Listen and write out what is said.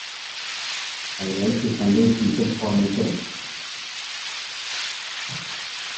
I like to find out people for myself.